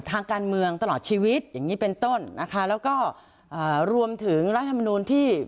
ทางการเมืองตลอดชีวิตอย่างงี้เป็นต้นนะคะแล้วก็อ่ารวมถึงรัฐมนูลที่